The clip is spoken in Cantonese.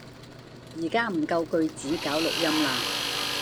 而家唔夠句子搞錄音喇